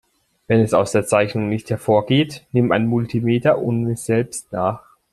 Wenn es aus der Zeichnung nicht hervorgeht, nimm ein Multimeter und miss selbst nach.